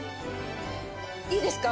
いいですか？